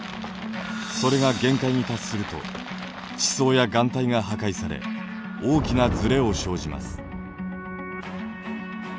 それが限界に達すると地層や岩帯が破壊され大きなずれを生じます。